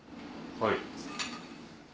はい。